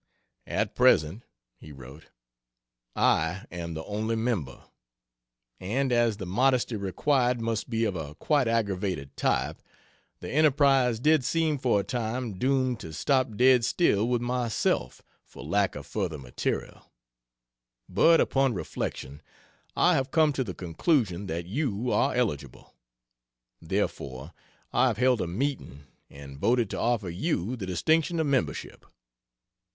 "At present," he wrote, "I am the only member; and as the modesty required must be of a quite aggravated type, the enterprise did seem for a time doomed to stop dead still with myself, for lack of further material; but upon reflection I have come to the conclusion that you are eligible. Therefore, I have held a meeting and voted to offer you the distinction of membership.